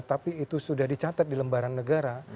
tapi itu sudah dicatat di lembaran negara